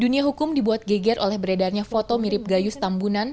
dunia hukum dibuat geger oleh beredarnya foto mirip gayus tambunan